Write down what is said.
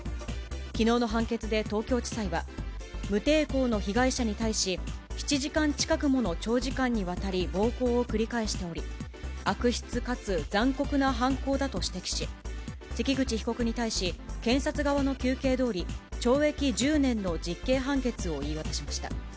きのうの判決で東京地裁は、無抵抗の被害者に対し、７時間近くもの長時間にわたり、暴行を繰り返しており、悪質かつ残酷な犯行だと指摘し、関口被告に対し、検察側の求刑どおり、懲役１０年の実刑判決を言い渡しました。